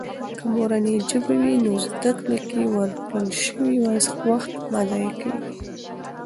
که مورنۍ ژبه وي، نو زده کړې کې ورکړل شوي وخت مه ضایع کېږي.